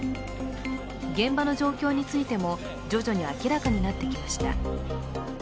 現場の状況についても徐々に明らかになってきました。